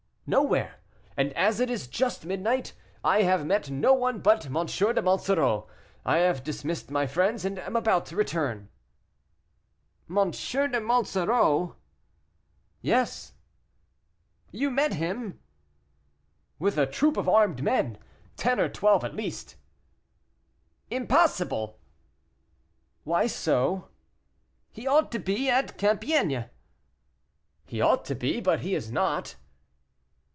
"Nowhere; and as it is just midnight, and I have met no one but M. de Monsoreau, I have dismissed my friends, and am about to return." "M. de Monsoreau?" "Yes." "You met him?" "With a troop of armed men; ten or twelve at least." "Impossible!" "Why so?" "He ought to be at Compiègne." "He ought to be, but he is not."